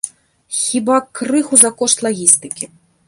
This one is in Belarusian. Хіба, крыху за кошт лагістыкі.